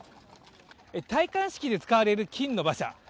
戴冠式で使われる金の馬車。